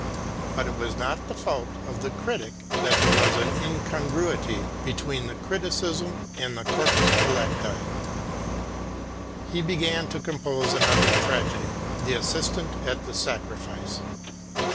But it was not the fault of the critic that there was an incongruity between the criticism and the corpus delicti. He began to compose another tragedy, The Assistant at the Sacrifice.